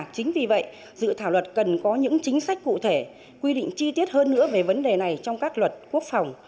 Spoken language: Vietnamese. chính vì vậy dự thảo luật cần có những chính sách cụ thể quy định chi tiết hơn nữa về vấn đề này trong các luật quốc phòng